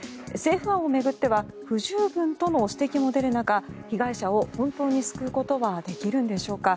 政府案を巡っては不十分との指摘も出る中被害者を本当に救うことはできるのでしょうか。